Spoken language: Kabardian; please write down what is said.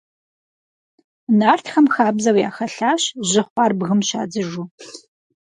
Нартхэм хабзэу яхэлъащ жьы хъуар бгым щадзыжу.